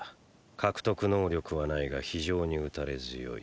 獲得能力はないが非常に打たれ強い。！